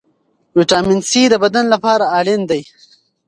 ویټامین سي د بدن لپاره اړین دی.